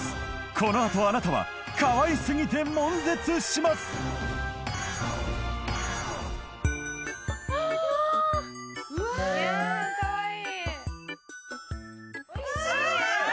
このあとあなたはかわいすぎて悶絶しますかわいい！